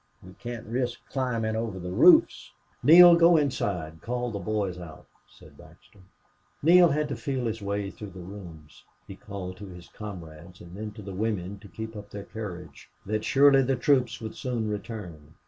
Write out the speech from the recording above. We can't risk climbin' over the roofs." "Neale, go inside call the boys out," said Baxter. Neale had to feel his way through the rooms. He called to his comrades, and then to the women to keep up their courage that surely the troops would soon return.